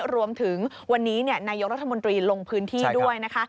รวมถึงวันนี้นายกรัฐมนตรีลงพื้นที่ด้วยนะคะ